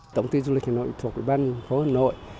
tổng thị du lịch hà nội thuộc bàn phố hà nội